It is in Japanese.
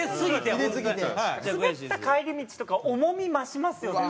スベった帰り道とか重み増しますよね。